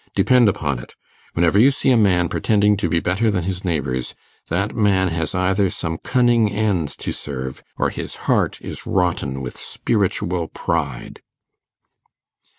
Depend upon it, whenever you see a man pretending to be better than his neighbours, that man has either some cunning end to serve, or his heart is rotten with spiritual pride.